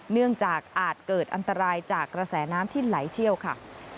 เนื่องจากอาจเกิดอันตรายจากกระแสน้ำที่ไหลเชี่ยวค่ะ